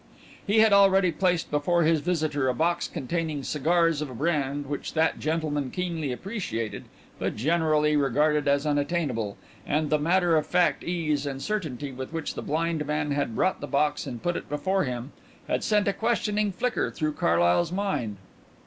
He had already placed before his visitor a box containing cigars of a brand which that gentleman keenly appreciated but generally regarded as unattainable, and the matter of fact ease and certainty with which the blind man had brought the box and put it before him had sent a questioning flicker through Carlyle's mind.